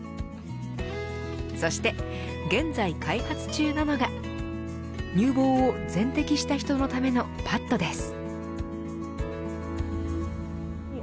そして現在開発中なのが乳房を全摘した人のためのパッドです。